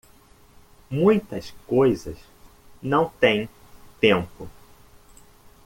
Muitas coisas não têm tempo